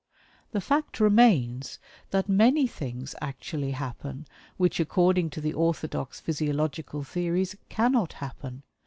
The fact remains that many things actually happen which according to the orthodox physiological theories "CANNOT happen."